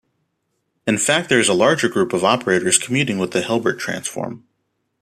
In fact there is a larger group of operators commuting with the Hilbert transform.